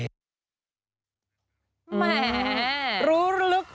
แหม่